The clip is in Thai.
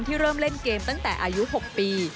เริ่มเล่นเกมตั้งแต่อายุ๖ปี